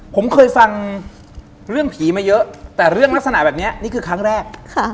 ผมเคยฟังเรื่องผีมาเยอะแต่เรื่องลักษณะแบบนี้นี่คือครั้งแรก